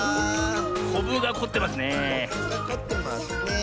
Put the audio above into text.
こぶがこってますねえ。